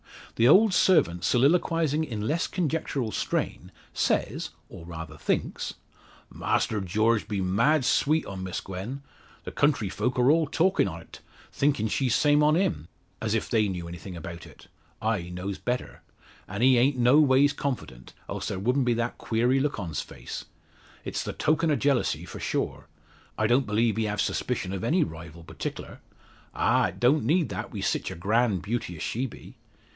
The old servant soliloquising in less conjectural strain, says, or rather thinks "Master George be mad sweet on Miss Gwen. The country folk are all talkin' o't; thinkin' she's same on him, as if they knew anything about it. I knows better. An' he ain't no ways confident, else there wouldn't be that queery look on's face. It's the token o' jealousy for sure. I don't believe he have suspicion o' any rival particklar. Ah! it don't need that wi' sich a grand beauty as she be.